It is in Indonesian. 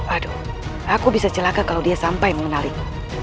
aduh aku bisa celaka kalau dia sampai menarik